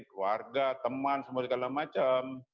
keluarga teman semua segala macam